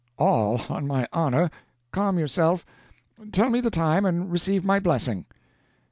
"All on my honor. Calm yourself. Tell me the time, and receive my blessing."